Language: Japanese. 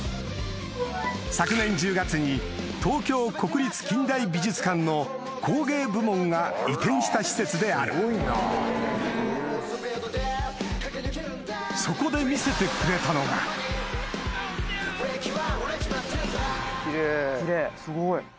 昨年１０月に東京国立近代美術館の工芸部門が移転した施設であるそこで見せてくれたのが奇麗すごい。